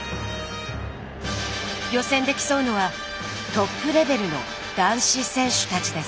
予選で競うのはトップレベルの男子選手たちです。